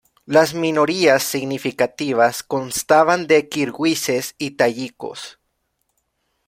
Las minorías significativas constaban de kirguises y tayikos.